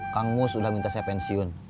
kang mus udah minta saya pensiun